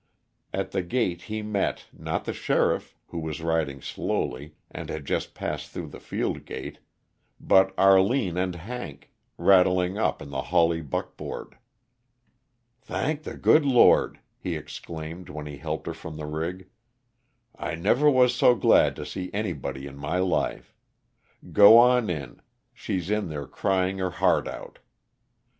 At the gate he met, not the sheriff, who was riding slowly, and had just passed through the field gate, but Arline and Hank, rattling up in the Hawley buck board. "Thank the good Lord!" he exclaimed when he helped her from the rig. "I never was so glad to see anybody in my life. Go on in she's in there crying her heart out.